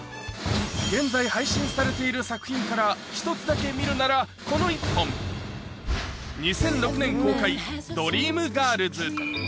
現在配信されている作品からひとつだけ見るならこの１本。２００６年公開、ドリームガールズ。